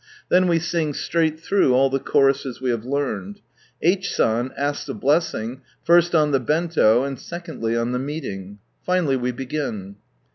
Then we sing straight through all the choruses we have learned. H. San asks a blessing, first on the Benio, and secondly on the meeting. Finally, we begin.